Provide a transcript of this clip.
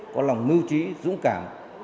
có lòng nưu trí dũng cảm